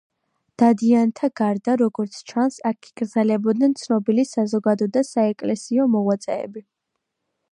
დადიანთა გარდა, როგორც ჩანს, აქ იკრძალებოდნენ ცნობილი საზოგადო და საეკლესიო მოღვაწეები.